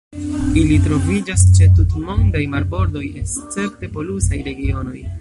Ili troviĝas ĉe tutmondaj marbordoj escepte polusaj regionoj.